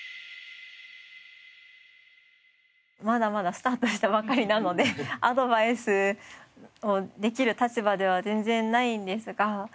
まだまだスタートしたばかりなのでアドバイスをできる立場では全然ないんですが。